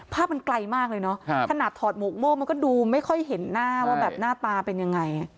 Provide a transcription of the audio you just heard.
ภาพมันไกลมากเลยเนาะขนาดถอดหมวกโม่มันก็ดูไม่ค่อยเห็นหน้าว่าแบบหน้าตาเป็นยังไง